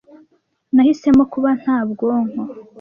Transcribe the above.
nahisemo kuba nta bwonko